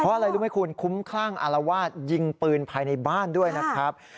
เพราะอะไรรู้ไหมคุณคุ้มคลั่งอารวาสยิงปืนภายในบ้านด้วยนะครับ